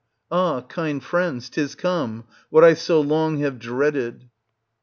Ah, kind friends, 'tis come ! what I so long have dreaded.